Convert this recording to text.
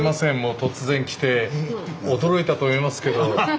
突然来て驚いたと思いますけど。